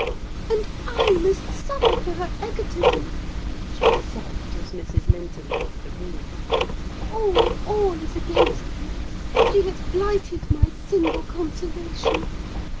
— "And I must suffer for her egotism!" she sobbed, as Mrs. Linton left the room. "All, all is against me: she has blighted my single consolation.